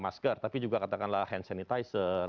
masker tapi juga katakanlah hand sanitizer